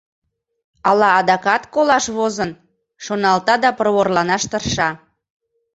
«Ала адакат колаш возын?» — шоналта да проворланаш тырша.